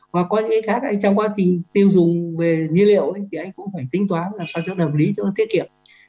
hoặc có những cái khác anh trong quá trình tiêu dùng về nhiên liệu thì anh cũng phải tính toán là sao cho đồng lý cho tiết kiệm